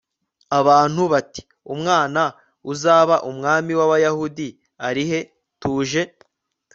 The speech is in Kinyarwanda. abantu bati umwana uzaba umwami w abayahudi ari he tuje